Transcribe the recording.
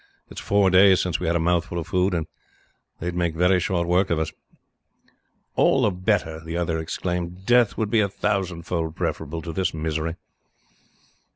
"It is four days since we had a mouthful of food, and they would make very short work of us." "All the better," the other exclaimed. "Death would be a thousand fold preferable to this misery."